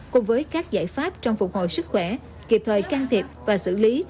cùng với các giải pháp trong phục hồi sức khỏe kịp thời can thiệp và xử lý